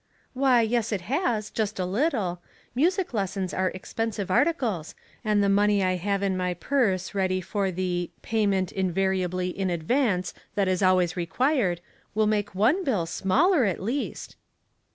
" Why, yes it has, just a little. Music lessons are expensive articles, and the money I have in my purse ready for the ' payment invariably in advance ' that is always required, will make one bill smaller at least."